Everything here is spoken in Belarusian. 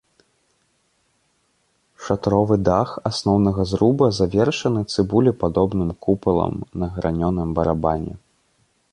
Шатровы дах асноўнага зруба завершаны цыбулепадобным купалам на гранёным барабане.